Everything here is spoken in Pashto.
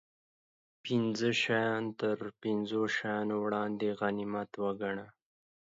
پنځه شیان تر پنځو شیانو وړاندې غنیمت و ګڼه